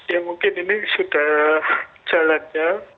ya mungkin ini sudah jalan ya